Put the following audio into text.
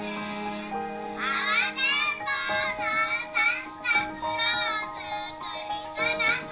「あわてんぼうのサンタクロースクリスマスまえに」